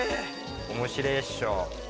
おもしれぇっしょ。